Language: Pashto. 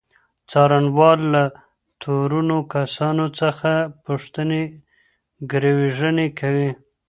څارنوال له تورنو کسانو څخه پوښتني ګروېږنې کوي.